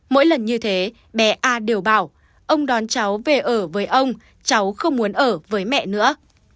mỗi lần như thế bé a đều bảo ông đón cháu về ở với ông cháu không muốn ở với mẹ nữa